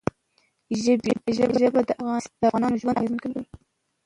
ژبې د افغانانو ژوند اغېزمن کوي.